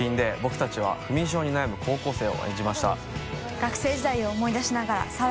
学生時代を思い出しながら屬笋糞せ